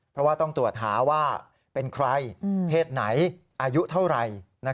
เพราะว่าต้องตรวจหาว่าเป็นใครเพศไหนอายุเท่าไหร่